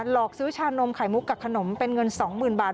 หลอกซื้อชานมไขมุกกับขนมเป็นเงินสองหมื่นบาท